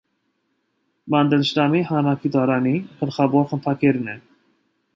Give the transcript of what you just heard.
«Մանդելշտամի հանրագիտարանի» գլխավոր խմբագիրն էր։